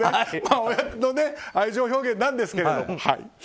親の愛情表現なんですけども。